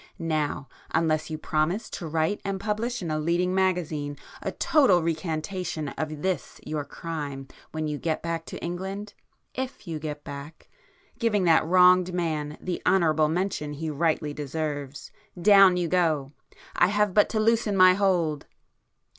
Now, unless you promise to write and publish in a leading magazine a total recantation of this your crime when you get back to England,—if you get back!—giving that wronged man the 'honourable mention' he rightly deserves,—down you go! I have but to loosen my hold!